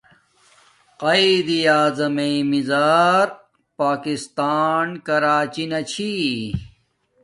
قایداعظم مزا پاکستان کراچی نا چھی